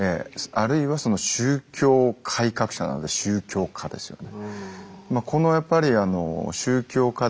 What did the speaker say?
あるいは宗教改革者なので宗教家ですよね。